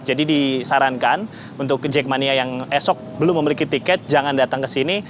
jadi disarankan untuk jackmania yang esok belum memiliki tiket jangan datang ke sini